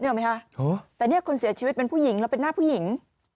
ออกไหมคะแต่เนี่ยคนเสียชีวิตเป็นผู้หญิงแล้วเป็นหน้าผู้หญิง